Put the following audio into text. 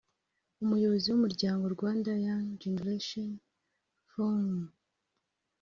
umuyobozi w’umuryango “Rwanda Young Generation Forum”